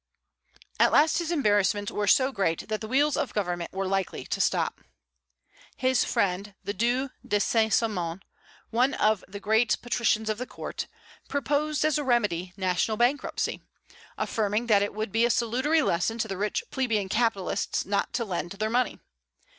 At last his embarrassments were so great that the wheels of government were likely to stop. His friend, the Due de Saint Simon, one of the great patricians of the court, proposed, as a remedy, national bankruptcy, affirming that it would be a salutary lesson to the rich plebeian capitalists not to lend their money.